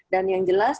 dan yang jelas